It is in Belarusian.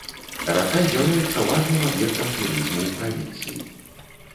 Рака з'яўляецца важным аб'ектам турызму ў правінцыі.